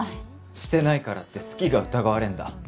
シてないからって好きが疑われんだ？